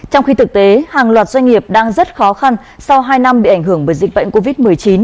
trong khi thực tế hàng loạt doanh nghiệp đang rất khó khăn sau hai năm bị ảnh hưởng bởi dịch bệnh covid một mươi chín